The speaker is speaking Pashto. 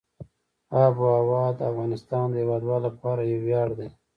آب وهوا د افغانستان د هیوادوالو لپاره یو ویاړ دی.